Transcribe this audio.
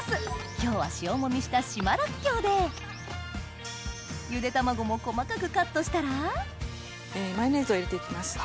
今日は塩揉みした島らっきょうでゆで卵も細かくカットしたらマヨネーズを入れていきます。